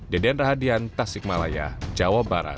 deden rahadian tasik malaya jawa barat